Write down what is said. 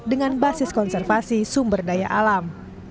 dengan basis konservasi sumber daya alam